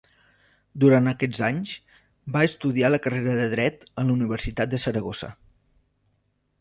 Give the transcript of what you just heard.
Durant aquests anys va estudiar la carrera de Dret a la Universitat de Saragossa.